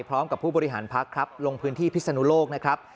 ผู้บริหารพักครับลงพื้นที่พิศนุโลกนะครับ